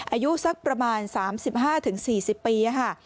อายุสักประมาณ๓๕๔๐ปีค่ะ